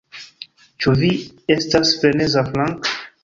Ĉu vi estas freneza, Frank?